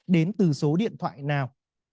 đến từ số điện thoại nào